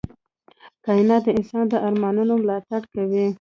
کائنات د انسان د ارمانونو ملاتړ کوي.